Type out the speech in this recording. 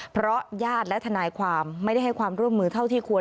เพราะญาติและทนายความไม่ได้ให้ความร่วมมือเท่าที่ควร